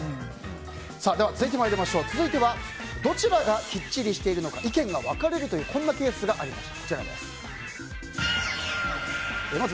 続いてはどちらがきっちりしているのか意見が分かれるケースがありました。